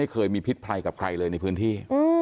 เคยมีพิษภัยกับใครเลยในพื้นที่